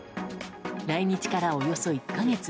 来日からおよそ１か月。